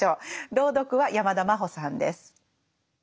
朗読は山田真歩さんです。